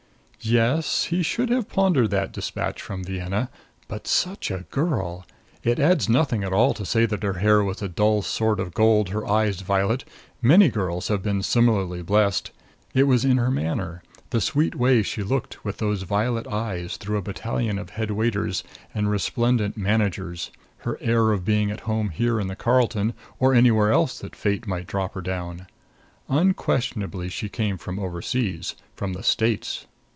Yes; he should have pondered that despatch from Vienna. But such a girl! It adds nothing at all to say that her hair was a dull sort of gold; her eyes violet. Many girls have been similarly blessed. It was her manner; the sweet way she looked with those violet eyes through a battalion of head waiters and resplendent managers; her air of being at home here in the Carlton or anywhere else that fate might drop her down. Unquestionably she came from oversea from the States.